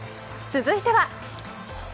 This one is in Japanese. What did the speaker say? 続いては。